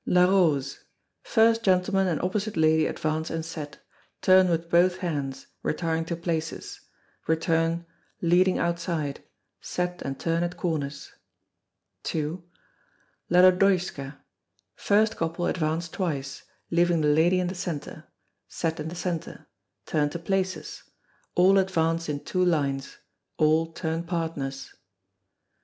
LaRose. First gentleman and opposite lady advance and set turn with both hands, retiring to places return, leading outside set and turn at corners. ii. La Lodoiska. First couple advance twice, leaving the lady in the centre set in the centre turn to places all advance in two lines all turn partners.